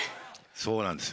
そうなんです。